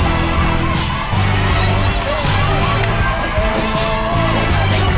อันนี้เป็นท่อนที่๓นะครับ